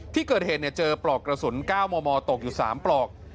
ที่เกิดเหตุเจอปลอกกระสุน๙มมตกอยู่๓ปลอก